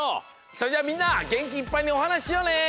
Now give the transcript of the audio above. それじゃみんなげんきいっぱいにおはなししようね。